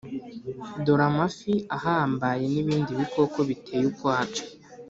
dore amafi ahambaye n’ibindi bikoko biteye ukwabyo.